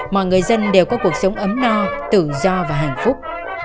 mọi người dân đều có cuộc sống ấm no tự do và hạnh phúc